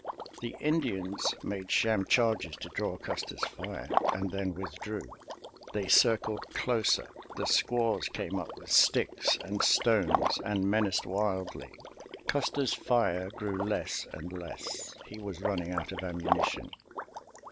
The Indians made sham charges to draw Custer's fire, and then withdrew. They circled closer. The squaws came up with sticks and stones and menaced wildly. Custer's fire grew less and less. He was running out of ammunition.